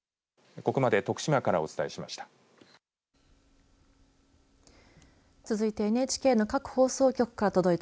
ここまで徳島からお伝えしました。